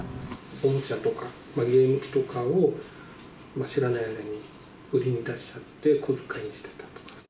おもちゃとかゲーム機とかを、知らない間に売りに出しちゃって、小遣いにしてたとか。